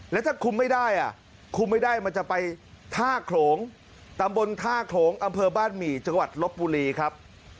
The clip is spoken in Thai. แล้วถ้าคุมไม่ได้อ่ะคุมไม่ได้มันจะไปท่าโขลงตำบลท่าโขลงอำเภอบ้านหมี่จังหวัดลบบุรีครับ